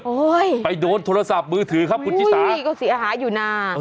โอ้โฮไปโดนโทรศัพท์มือถือครับคุณจิตราโอ้โฮนี่ก็เสียหาอยู่หน้า